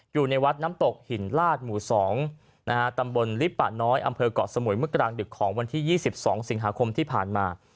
อยู่ในวัดน้ำตกหินลาดหมู่๒ตำบลลิปปะน้อยอำเภอกเกาะสมุยเมื่อกลางดึกของวันที่๒๒สิงหาคมที่ผ่านมา